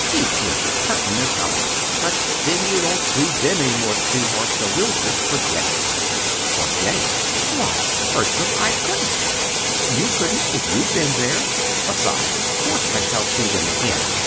The impertinence of it! But then, you won't see them any more, sweetheart, so we'll just forget it." "Forget it! Why, Bertram, I couldn't! You couldn't, if you'd been there. Besides, of course I shall see them again!"